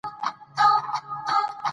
نور بس د ژوند کولو هنر دى،